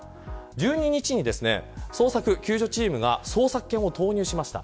１２日に、捜索・救助チームが捜索犬を投入しました。